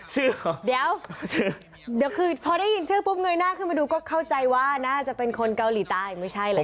ค่ะเดี๋ยวเดี๋ยวคือพอได้ยินชื่อปุ๊บเงยหน้าขึ้นมาดูก็เข้าใจว่าน่าจะเป็นคนเกาหลีตาอีกไม่ใช่แหละค่ะ